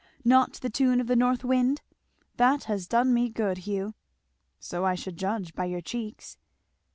"Not to the tune of the North wind? That has done me good, Hugh." "So I should judge, by your cheeks."